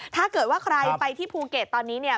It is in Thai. ถ้าเกิดว่าใครไปที่ภูเก็ตตอนนี้เนี่ย